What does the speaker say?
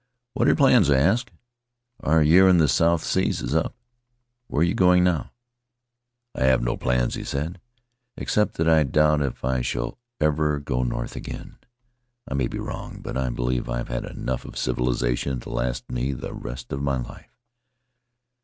"What are your plans?" I asked. "Our year in the South Seas is up. Where are you going now?" "I have no plans," he said, "except that I doubt if I shall ever go north again. I may be wrong, but I believe I've had enough of civilization to last me the rest of my life.